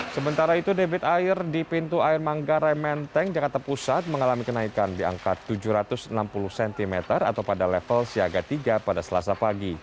sementara itu debit air di pintu air manggarai menteng jakarta pusat mengalami kenaikan di angka tujuh ratus enam puluh cm atau pada level siaga tiga pada selasa pagi